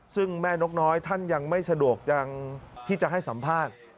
ซึ่งแม่นกน้อยท่านยังไม่สะดวกยังที่จะให้สัมภาษณ์